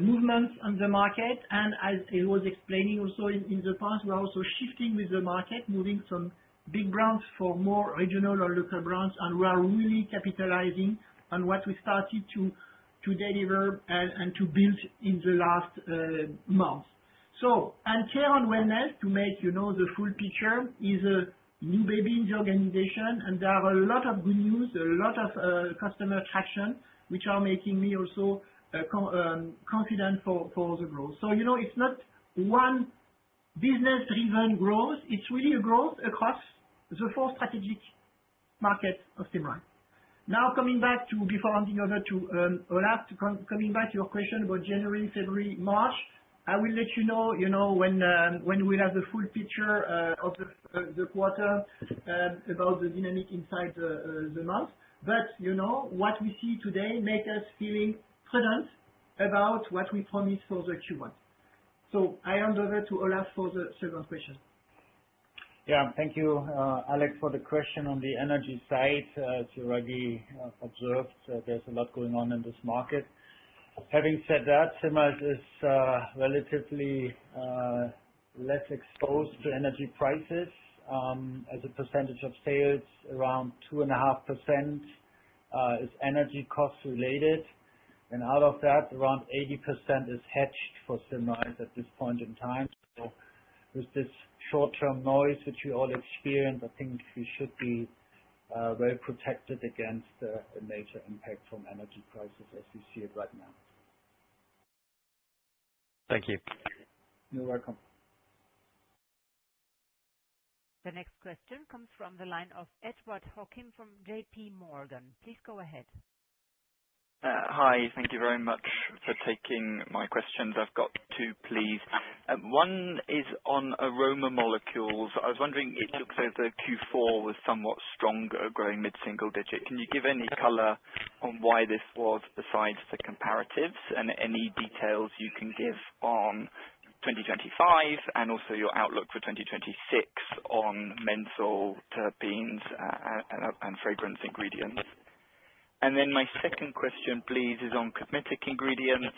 movements on the market. As I was explaining also in the past, we are also shifting with the market, moving some big brands for more regional or local brands, and we are really capitalizing on what we started to deliver and to build in the last months. Care & Wellness to make, you know, the full picture is a new baby in the organization and there are a lot of good news, a lot of customer traction, which are making me also confident for the growth. You know, it's not one business driven growth, it's really a growth across the four strategic-market of Symrise. Now coming back to, before handing over to Olaf, coming back to your question about January, February, March, I will let you know, you know, when we have the full picture of the quarter about the dynamic inside the month. You know, what we see today make us feeling confident about what we promised for the Q1. I hand over to Olaf for the second question. Yeah. Thank you, Alex, for the question on the energy side. As Ragi observed, there's a lot going on in this market. Having said that, Symrise is relatively less exposed to energy prices. As a percentage of Sales, around 2.5% is energy cost related. Out of that, around 80% is hedged for Symrise at this point in time. With this short-term noise which we all experience, I think we should be very protected against the major impact from energy prices as we see it right now. Thank you. You're welcome. The next question comes from the line of Edward Hockin from JPMorgan. Please go ahead. Hi. Thank you very much for taking my questions. I've got two, please. One is on aroma molecules. I was wondering, it looks as though Q4 was somewhat stronger, growing mid-single digit. Can you give any color on why this was, besides the comparatives? Any details you can give on 2025 and also your outlook for 2026 on menthol, Terpenes, and fragrance ingredients. My second question, please, is on cosmetic ingredients.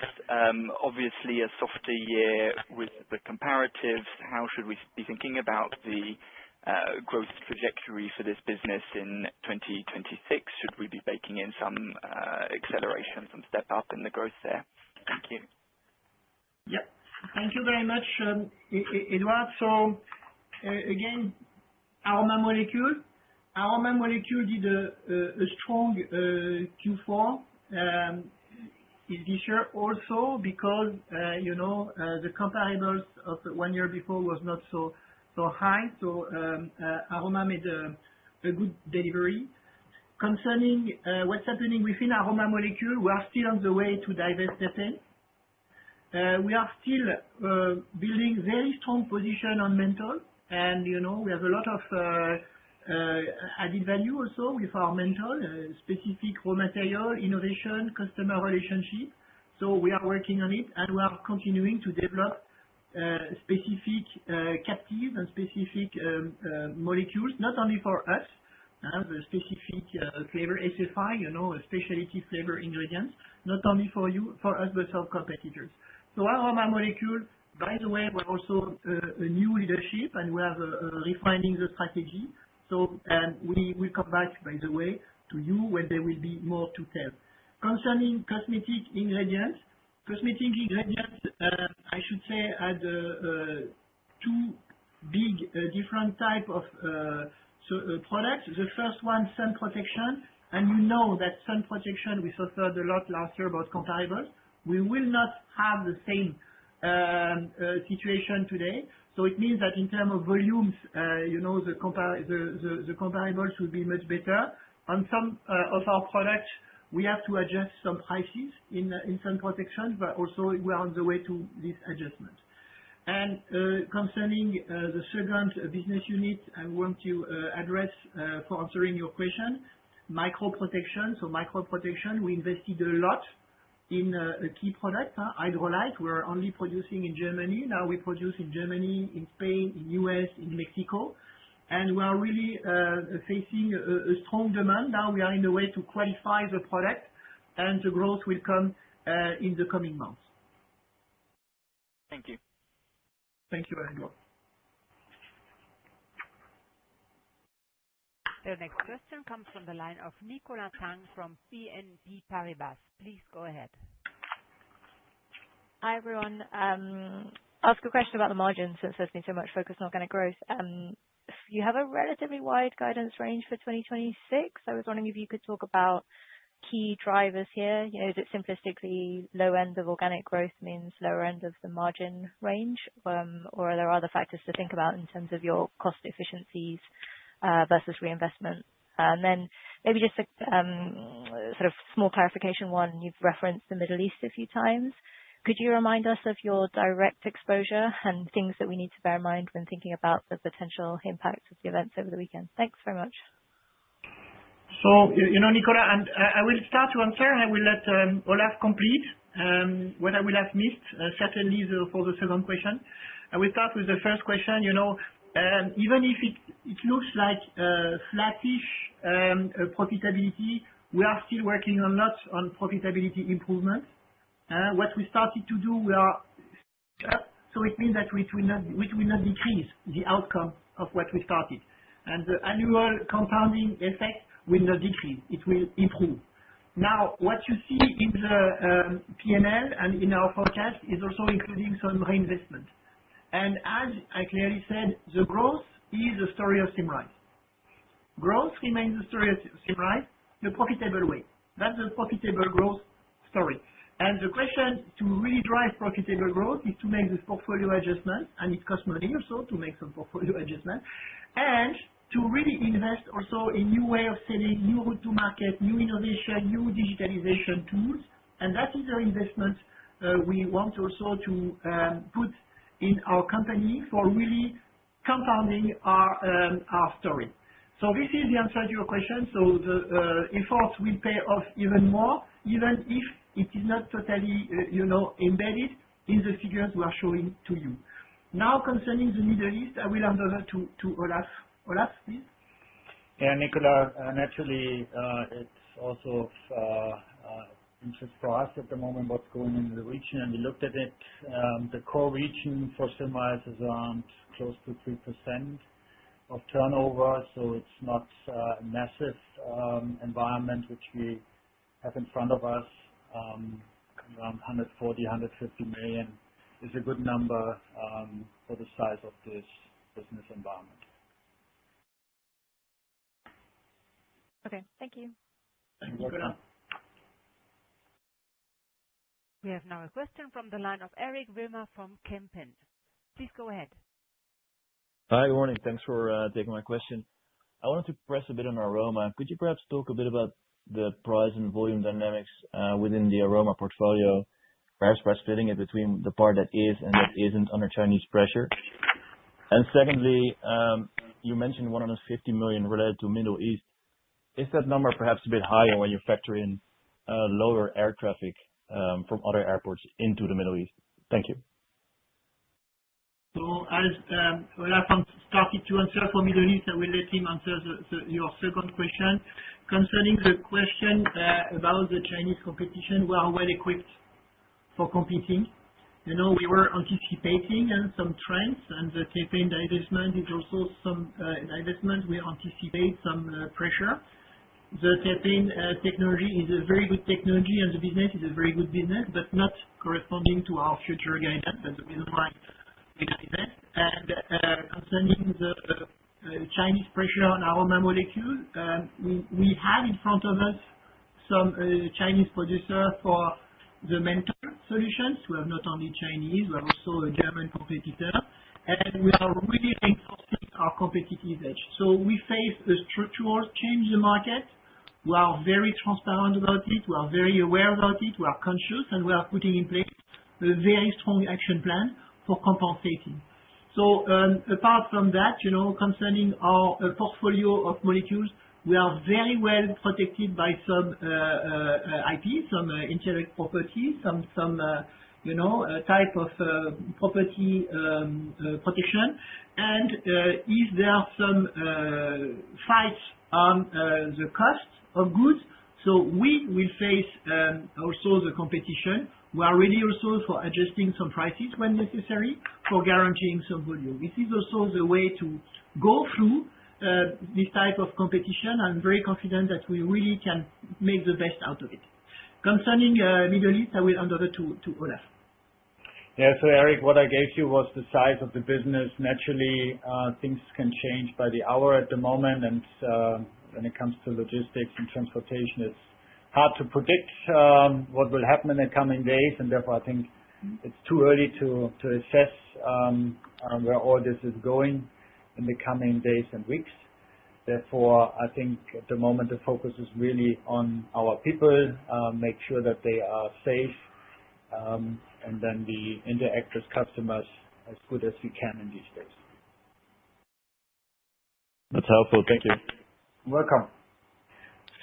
Obviously a softer year with the comparatives, how should we be thinking about the growth trajectory for this business in 2026? Should we be baking in some acceleration, some step up in the growth there? Thank you. Yeah. Thank you very much, Edward. Again, aroma molecule. Aroma molecule did a strong Q4 this year also because, you know, the comparables of one year before was not so high. Aroma made a good delivery. Concerning what's happening within aroma molecule, we are still on the way to divest it. We are still building very strong position on menthol. You know, we have a lot of added value also with our menthol specific raw material, innovation, customer relationship. We are working on it, and we are continuing to develop specific captive and specific molecules, not only for us, the specific flavor SFI, you know, specialty flavor ingredients, not only for us, but our competitors. aroma molecule, by the way, we're also a new leadership, and we are refining the strategy. we will come back, by the way, to you when there will be more to tell. Concerning cosmetic ingredients. Cosmetic ingredients, I should say, had two big different type of products. The first one, sun protection. You know that sun protection, we suffered a lot last year about comparables. We will not have the same situation today. it means that in term of volumes, you know, the comparables will be much better. On some of our products, we have to adjust some prices in sun protection, but also we are on the way to this adjustment. Concerning the second business unit, I want to address for answering your question, Micro Protection. Micro Protection, we invested a lot in a key product, huh, Hydrolite. We're only producing in Germany. Now we produce in Germany, in Spain, in the U.S., in Mexico, and we are really facing a strong demand. Now we are on the way to qualify the product, and the growth will come in the coming months. Thank you. Thank you very much. The next question comes from the line of Nicola Tang from BNP Paribas. Please go ahead. Hi, everyone. Ask a question about the margins since there's been so much focus on organic growth. You have a relatively wide guidance range for 2026. I was wondering if you could talk about key drivers here. You know, is it simplistically low end of organic growth means lower end of the margin range? Or are there other factors to think about in terms of your cost efficiencies versus reinvestment? Maybe just a sort of small clarification one. You've referenced the Middle East a few times. Could you remind us of your direct exposure and things that we need to bear in mind when thinking about the potential impact of the events over the weekend? Thanks very much. You know, Nicola, I will start to answer and I will let Olaf complete what I will have missed, certainly the, for the second question. I will start with the first question. You know, even if it looks like flattish profitability, we are still working a lot on profitability improvement. What we started to do, it means that we will not decrease the outcome of what we started. The annual compounding effect will not decrease, it will improve. Now, what you see in the PNL and in our forecast is also including some reinvestment. As I clearly said, the growth is a story of Symrise. Growth remains a story of Symrise, the profitable way. That's a profitable growth. Sorry. The question to really drive profitable growth is to make the portfolio adjustment, and it costs money also to make some portfolio adjustment. To really invest also in new way of selling, new route to market, new innovation, new digitalization tools. That is the investment we want also to put in our company for really compounding our story. This is the answer to your question. The efforts will pay off even more, even if it is not totally, you know, embedded in the figures we are showing to you. Concerning the Middle East, I will hand over to Olaf. Olaf, please. Yeah, Nicola, naturally, it's also interest for us at the moment what's going in the region and we looked at it. The core region for Symrise is around close to 3% of turnover, so it's not a massive environment which we have in front of us. Around 140 million-150 million is a good number, for the size of this business environment. Okay, thank you. Thank you. Welcome. We have now a question from the line of Eric Wilmer from Kempen. Please go ahead. Hi, good morning. Thanks for taking my question. I wanted to press a bit on aroma. Could you perhaps talk a bit about the price and volume dynamics within the aroma portfolio? Perhaps by splitting it between the part that is and that isn't under Chinese pressure. Secondly, you mentioned 150 million related to Middle East. Is that number perhaps a bit higher when you factor in lower air traffic from other airports into the Middle East? Thank you. As Olaf started to answer for Middle East, I will let him answer your second question. Concerning the question about the Chinese competition, we are well equipped for competing. You know, we were anticipating some trends and the Terpenes divestment is also some divestment. We anticipate some pressure. The Terpenes technology is a very good technology and the business is a very good business, but not corresponding to our future guidance. That's the reason why we divested. Concerning the Chinese pressure on aroma molecule, we have in front of us some Chinese producer for the menthol solutions. We have not only Chinese, we have also a German competitor. We are really enforcing our competitive edge. We face a structural change in the market. We are very transparent about it. We are very aware about it. We are conscious, and we are putting in place a very strong action plan for compensating. Apart from that, you know, concerning our portfolio of molecules, we are very well protected by some IP, some intellectual property, some, you know, type of property protection. If there are some fights on the cost of goods, we will face also the competition. We are ready also for adjusting some prices when necessary for guaranteeing some volume. This is also the way to go through this type of competition. I'm very confident that we really can make the best out of it. Concerning Middle East, I will hand over to Olaf. Heiko Wimmer, what I gave you was the size of the business. Naturally, things can change by the hour at the moment and, when it comes to logistics and transportation, it's hard to predict what will happen in the coming days. Therefore, I think it's too early to assess where all this is going in the coming days and weeks. Therefore, I think at the moment the focus is really on our people, make sure that they are safe, and then the interact with customers as good as we can in these days. That's helpful. Thank you. Welcome.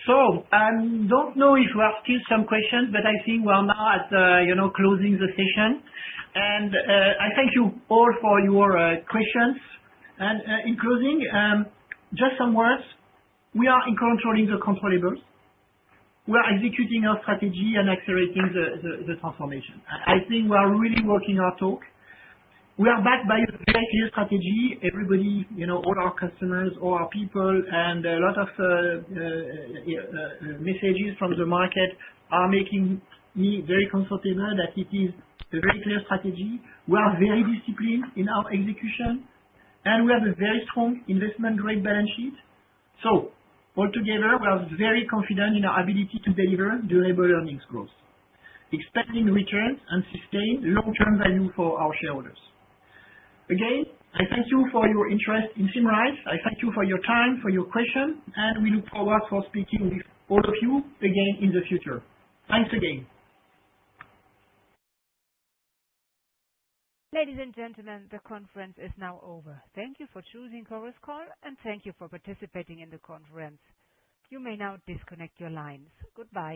Don't know if you have still some questions, but I think we are now at, you know, closing the session. I thank you all for your questions. In closing, just some words, we are in controlling the controllables. We are executing our strategy and accelerating the transformation. I think we are really walking our talk. We are backed by a very clear strategy. Everybody, you know, all our customers, all our people, and a lot of messages from the market are making me very comfortable that it is a very clear strategy. We are very disciplined in our execution, and we have a very strong investment-grade balance sheet. Altogether, we are very confident in our ability to deliver durable earnings growth, expanding returns, and sustain long-term value for our shareholders. Again, I thank you for your interest in Symrise. I thank you for your time, for your question. We look forward for speaking with all of you again in the future. Thanks again. Ladies and gentlemen, the conference is now over. Thank you for choosing Chorus Call, and thank you for participating in the conference. You may now disconnect your lines. Goodbye.